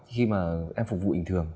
khi mà em phục vụ bình thường